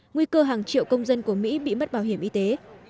nguy cơ hàng triệu công dân của mỹ bị mất bảo hiểm y tế